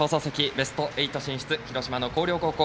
ベスト８進出、広島の広陵高校